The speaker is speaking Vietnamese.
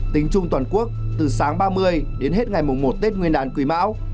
tính chung toàn quốc từ sáng ba mươi đến hết ngày mùng một tết nguyên đàn quỳ mão